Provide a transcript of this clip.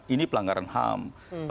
ini pelanggaran ham